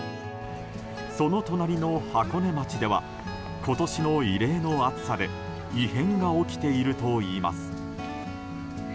その隣の箱根町では今年の異例の暑さで異変が起きているといいます。